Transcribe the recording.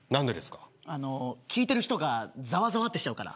聞いてる人がざわざわしちゃうから。